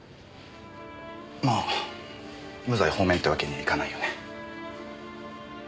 まあ無罪放免ってわけにいかないよね。